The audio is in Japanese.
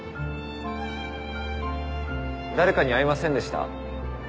誰かに会いませんでした？